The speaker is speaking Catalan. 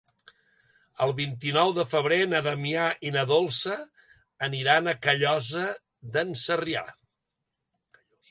El vint-i-nou de febrer na Damià i na Dolça aniran a Callosa d'en Sarrià.